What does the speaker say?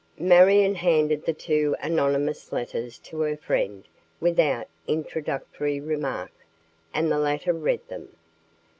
Marion handed the two anonymous letters to her friend without introductory remark, and the latter read them.